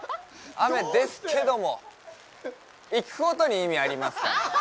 雨ですけども、行くことに意味ありますから。